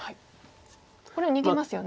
これ逃げますよね。